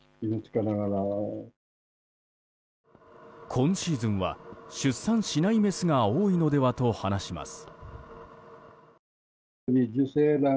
今シーズンは出産しないメスが多いのではと話します。